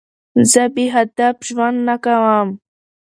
زه بېهدف ژوند نه کوم.